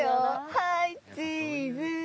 はいチーズ！